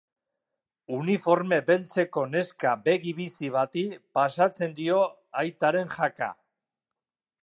Uniforme beltzeko neska begi-bizi bati pasatzen dio aitaren jaka.